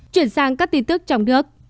chuyển sang các tin tức trong nước